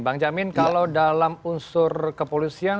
bang jamin kalau dalam unsur kepolisian